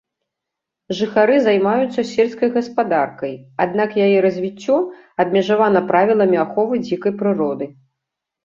Жыхары займаюцца сельскай гаспадаркай, аднак яе развіццё абмежавана правіламі аховы дзікай прыроды.